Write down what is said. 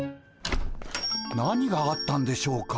何があったんでしょうか？